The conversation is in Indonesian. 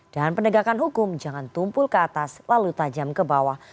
dan pendegakan hukum jangan tumpul ke atas lalu tajam ke bawah